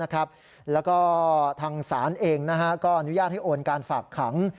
แล้วก็ทางศาลเองก็อนุญาตให้โอนการฝากขัง